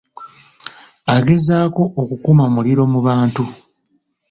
Agezaako okukuma muliro mu bantu.